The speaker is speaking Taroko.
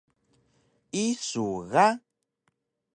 Isu ga?